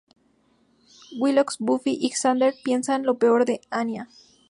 Willow, Buffy y Xander piensan lo peor de Anya.